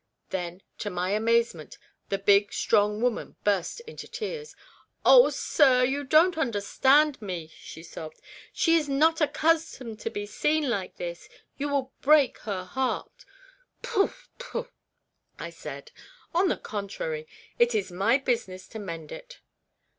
Then, to my amazement, the big, strong woman burst into tears. " Oh, sir, you don't understand me," she sobbed. " She is not ac customed to be seen like this ; you will break her heart." " Pooh, pooli !" I said ;" on the contrary, it is my business to mend it."